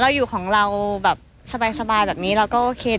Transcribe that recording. อยู่ของเราแบบสบายแบบนี้เราก็โอเค